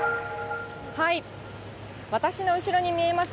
私の後ろに見えます